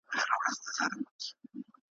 هغومره اوږدیږي ,